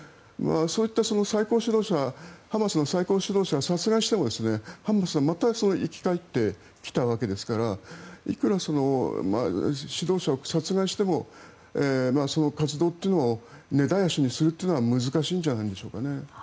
そういったハマスの最高指導者を殺害してもハマスはまた生き返ってきたわけですからいくら指導者を殺害してもその活動というのを根絶やしにするのは難しいんじゃないでしょうかね。